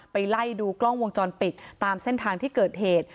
ไล่ดูกล้องวงจรปิดตามเส้นทางที่เกิดเหตุ